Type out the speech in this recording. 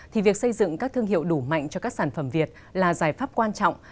thì việc xây dựng các thương hiệu đủ mạnh cho các sản phẩm việt là giải pháp quan trọng